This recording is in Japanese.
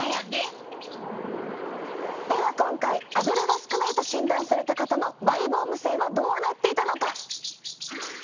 では今回アブラが少ないと診断された方のマイボーム腺はどうなっていたのか。